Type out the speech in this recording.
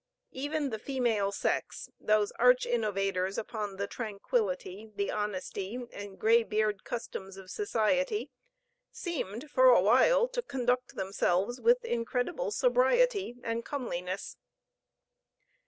Even the female sex, those arch innovators upon the tranquillity, the honesty, and grey beard customs of society, seemed for a while to conduct themselves with incredible sobriety and comeliness.